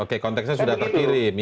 oke konteksnya sudah terkirim